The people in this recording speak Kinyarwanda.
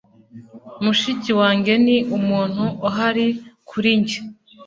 mushiki wanjye ni umuntu uhari kuri njye